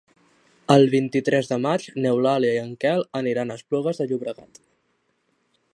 El vint-i-tres de maig n'Eulàlia i en Quel aniran a Esplugues de Llobregat.